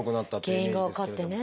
原因が分かってね。